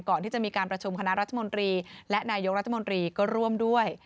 ก่อนที่จะมีการประชุมคณะรัฐมนตรีและนายกรัฐมนตรีก็ร่วมด้วย